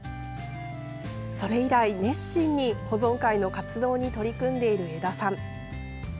それ以来、熱心に保存会の活動に取り組んでいる江田さん。